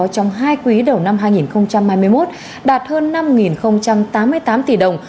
trong hai quý đầu năm hai nghìn hai mươi một đạt hơn năm tám mươi tám tỷ đồng